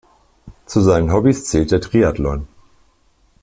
Zu seinen Hobbys zählt der Triathlon.